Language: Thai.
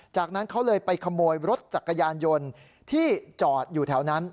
จากนั้นเขาเลยไปขโมยรถจักรยานยนต์ที่จอดอยู่แถวนั้น